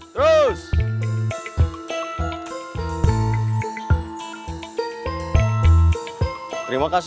jerusalem china saudi arabia